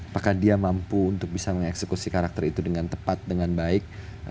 apakah dia mampu untuk bisa mengeksekusi karakter itu dengan tepat dengan baik